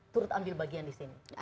turut ambil bagian di sini